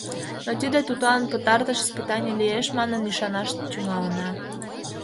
Но тиде тудлан пытартыш испытаний лиеш манын ӱшанаш тӱҥалына.